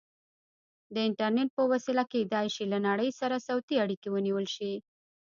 د انټرنیټ په وسیله کیدای شي له نړۍ سره صوتي اړیکې ونیول شي.